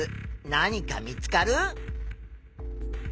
何か見つかる？